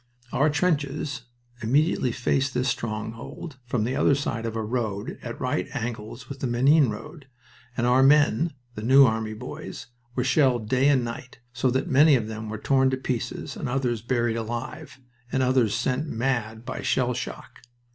Our trenches immediately faced this stronghold from the other side of a road at right angles with the Menin road, and our men the New Army boys were shelled day and night, so that many of them were torn to pieces, and others buried alive, and others sent mad by shell shock.